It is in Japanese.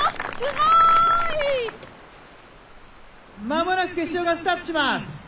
間もなく決勝がスタートします。